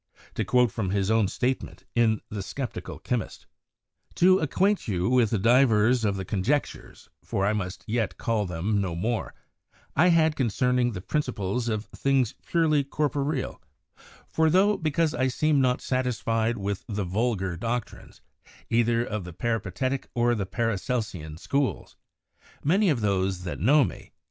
To quote from his own statement in 'The Sceptical Chymist' : "To acquaint you with divers of the conjectures (for I must yet call them no more) I have had concerning the principles of things purely corporeal : for though, because I seem not satisfied with the vulgar doctrines, either of the Peripatetick or Paracelsian schools, many of those, that know me